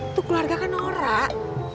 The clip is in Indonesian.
itu keluarga kan norak